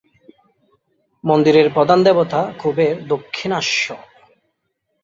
মন্দিরের প্রধান দেবতা কুবের দক্ষিণাস্য।